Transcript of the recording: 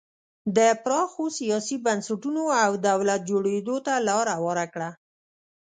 د پراخو سیاسي بنسټونو او دولت جوړېدو ته لار هواره کړه.